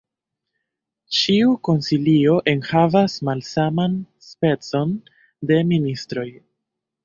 Ĉiu konsilio enhavas malsaman specon de ministroj.